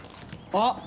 あっ！